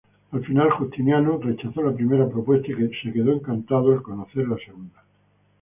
Al final, Justiniano rechazó la primera propuesta y quedó encantado al conocer la segunda.